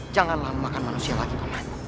janganlah memakan manusia lagi pak